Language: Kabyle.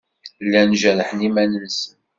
Llan jerrḥen iman-nsen.